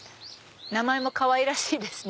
名前もかわいらしいですね。